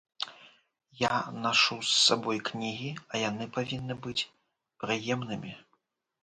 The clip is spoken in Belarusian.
Я нашу з сабой кнігі, а яны павінны быць прыемнымі.